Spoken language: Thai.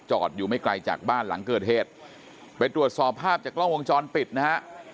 อยู่ไม่ไกลจากบ้านหลังเกิดเหตุไปตรวจสอบภาพจากกล้องวงจรปิดนะฮะ